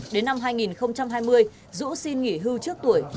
đến năm hai nghìn hai mươi dũ xin nghỉ hưu trước tuổi